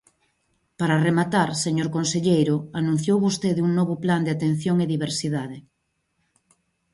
Para rematar, señor conselleiro, anunciou vostede un novo Plan de atención e diversidade.